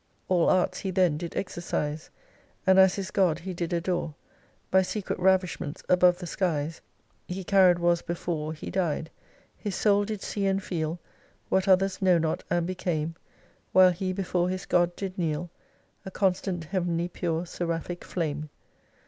8 All arts he then did exercise ; And as his God he did adore By secret ravishments above the skies He carried was before He died. His soul did see and feel What others know not; and became, While he before his God did kneel, A constant, heavenly, pure, seraphic flame.